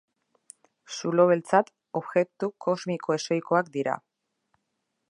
Zulo beltzak objektu kosmiko ezohikoak dira.